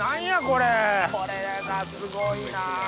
これがすごいな！